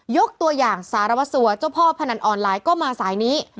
ยกตัวอย่างสารวัสสัวเจ้าพ่อพนันออนไลน์ก็มาสายนี้